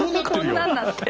こんなんなって。